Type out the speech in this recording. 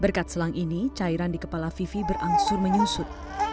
berkat selang ini cairan di kepala vivi berangsur menyusut